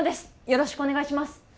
よろしくお願いします。